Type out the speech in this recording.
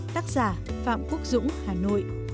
tác giả phạm quốc dũng hà nội